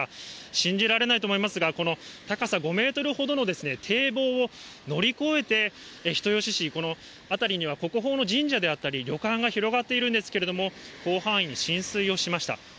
信じられないと思いますが、この高さ５メートルほどの堤防を乗り越えて、人吉市、この辺りには国宝の神社であったり、旅館が広がっているんですけれども、広範囲に浸水をしました。